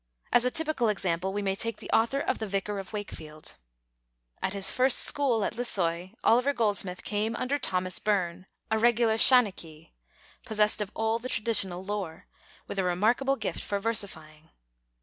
As a typical example, we may take the author of The Vicar of Wakefield. At his first school at Lissoy, Oliver Goldsmith came under Thomas Byrne, a regular shanachie, possessed of all the traditional lore, with a remarkable gift for versifying.